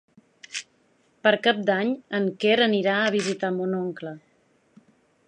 Per Cap d'Any en Quer anirà a visitar mon oncle.